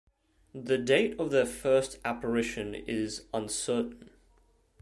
The date of their first apparition is uncertain.